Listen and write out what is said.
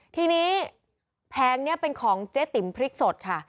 ทีนี้แผงนี้เป็นของเจ๊ติ๋มพริกสดค่ะ